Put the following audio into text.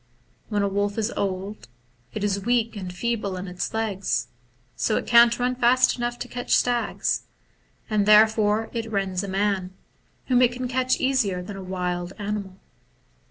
When a wolf is old, it is weak and feeble in its legs, so it can't run fast enough to catch stags, and therefore it rends a man, whom it can catch easier than a wild animal.